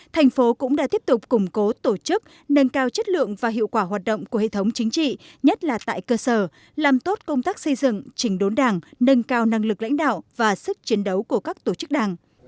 thành phố cũng đã tiếp tục củng cố tổ chức nâng cao chất lượng và hiệu quả hoạt động của hệ thống chính trị nhất là tại cơ sở làm tốt công tác xây dựng chỉnh đốn đảng nâng cao năng lực lãnh đạo và sức chiến đấu của các tổ chức đảng